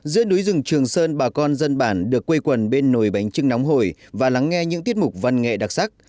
giữa núi rừng trường sơn bà con dân bản được quây quần bên nồi bánh trưng nóng hồi và lắng nghe những tiết mục văn nghệ đặc sắc